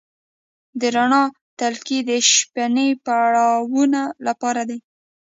د رڼا تلکې د شپنۍ پروانو لپاره دي؟